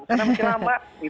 karena masih lama